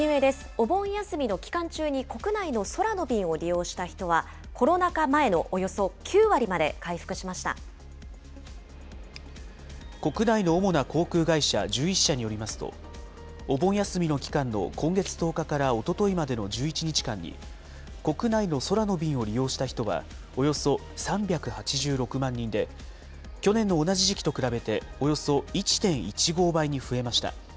お盆休みの期間中に国内の空の便を利用した人はコロナ禍前のおよ国内の主な航空会社１１社によりますと、お盆休みの期間の今月１０日からおとといまでの１１日間に国内の空の便を利用した人は、およそ３８６万人で、去年の同じ時期と比べておよそ１．１５倍に増えました。